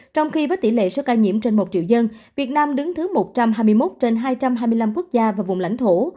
trong khi với tỷ lệ số ca nhiễm trên một triệu dân việt nam đứng thứ một trăm hai mươi một trên hai trăm hai mươi năm quốc gia và vùng lãnh thổ